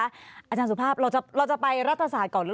อาจารย์สุภาพเราจะไปรัฐศาสตร์ก่อน